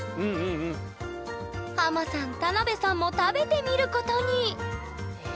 ハマさん田辺さんも食べてみることに！